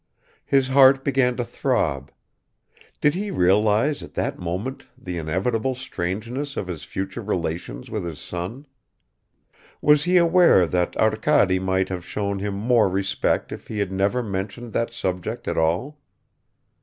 His heart began to throb ... Did he realize at that moment the inevitable strangeness of his future relations with his son? Was he aware that Arkady might have shown him more respect if he had never mentioned that subject at all?